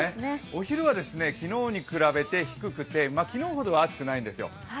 お昼は昨日に比べて低くて、昨日ほどは暑くないんですよ。